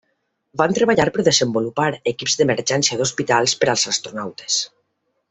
Van treballar per desenvolupar equips d'emergència d'hospitals per als astronautes.